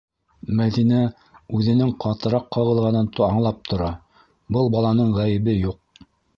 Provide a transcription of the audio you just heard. - Мәҙинә үҙенең ҡатыраҡ ҡағылғанын аңлап тора, был баланың ғәйебе юҡ.